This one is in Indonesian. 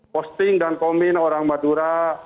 posting dan komen orang madura